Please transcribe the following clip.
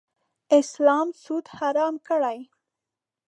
اسلام سود حرام کړی.